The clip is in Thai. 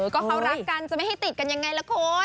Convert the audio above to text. ก็เขารักกันจะไม่ให้ติดกันยังไงล่ะคุณ